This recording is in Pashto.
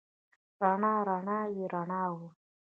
رڼا، رڼاوې، رڼاوو